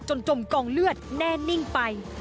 จมกองเลือดแน่นิ่งไป